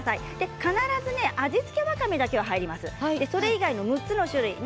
必ず味付けわかめだけは入れます。